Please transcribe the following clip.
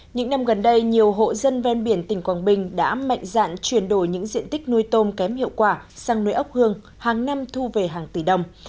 những năm gần đây nhiều hộ dân ven biển tỉnh quảng bình đã mạnh dạn chuyển đổi những diện tích nuôi tôm kém hiệu quả sang nuôi ốc hương hàng năm thu về hàng tỷ đồng